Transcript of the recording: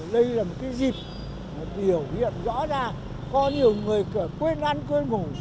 đây là một dịp biểu hiện rõ ra có nhiều người quên ăn quên ngủ